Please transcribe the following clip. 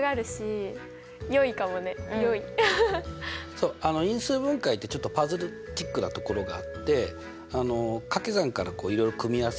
そう因数分解ってちょっとパズルチックなところがあってかけ算からいろいろ組み合わせをね